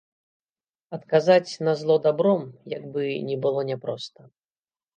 Адказаць на зло дабром, як бы ні было няпроста.